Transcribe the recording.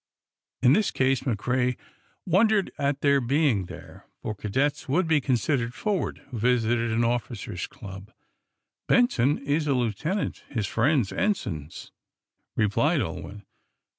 In this case McCrea wondered at their being there, for cadets would be considered forward who visited an officers' club. "Benson is a lieutenant, his friends ensigns," replied Ulwin.